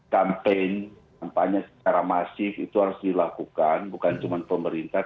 kampen yang banyak secara masif itu harus dilakukan bukan cuma pemerintah